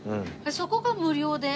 そこが無料で？